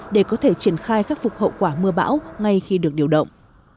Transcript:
để có thể triển khai khắc phục hậu quả mưa bão ngay khi được điều động